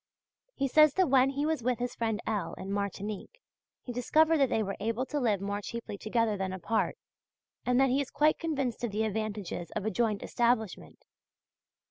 He says that when he was with his friend L. in Martinique, he discovered that they were able to live more cheaply together than apart, and that he is quite convinced of the advantages of a joint establishment.